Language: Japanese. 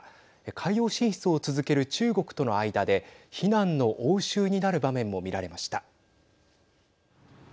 海洋進出を続ける中国との間で非難の応酬になる場面も見られました。